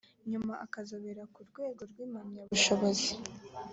nyuma akazobera ku rwego rw impamyabushobozi